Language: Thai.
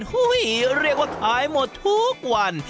เรียกว่าขายหมดทุกวัน